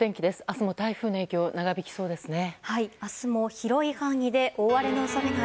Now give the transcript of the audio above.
明日も台風の影響長引きそうですね。